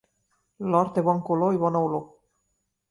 L'or té bon color i bona olor.